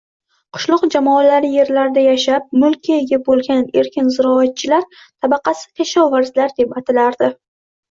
Qishloq jamoalari yerlarida yashab, mulkka ega bo‘lgan erkin ziroatchilar tabaqasi kashovarzlar deb atalardi.